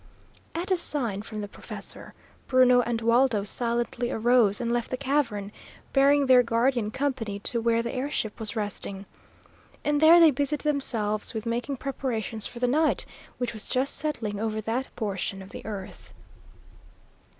At a sign from the professor, Bruno and Waldo silently arose and left the cavern, bearing their guardian company to where the air ship was resting. And there they busied themselves with making preparations for the night, which was just settling over that portion of the earth.